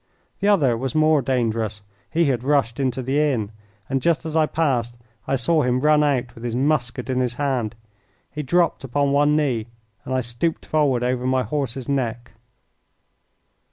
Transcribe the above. The other was more dangerous. He had rushed into the inn, and just as I passed I saw him run out with his musket in his hand. He dropped upon one knee, and I stooped forward over my horse's neck.